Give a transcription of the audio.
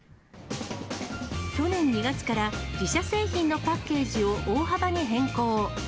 去年２月から、自社製品のパッケージを大幅に変更。